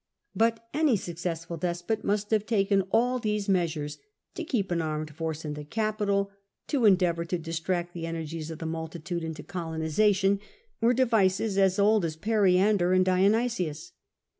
But any successful despot must have taken all these measures : to keep an armed force in the capital, to endeavour to distract the energies of the multitude into colonisation, were devices as old as Parian der and Dionysius.